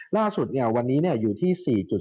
ล่าสุดเนี่ยวันนี้เนี่ยอยู่ที่